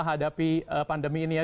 hadapi pandemi ini ya